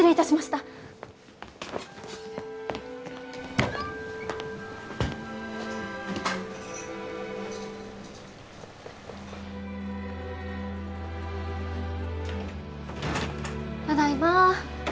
ただいま。